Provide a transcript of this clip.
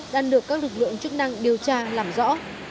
đang được các lực lượng chức năng điều tra làm rõ